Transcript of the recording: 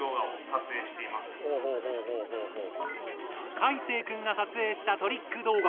かいせい君が撮影したトリック動画。